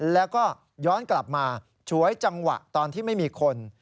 แล้วก็ย้อนกลับมาฉวยจังหวะตอนที่ไม่มีคน